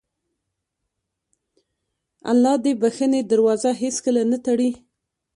الله د بښنې دروازه هېڅکله نه تړي.